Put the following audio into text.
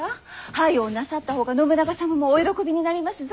早うなさった方が信長様もお喜びになりますぞ。